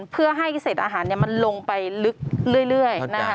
เพื่อให้ที่สิทธิ์อาหารมันลงไปลึกเรื่อย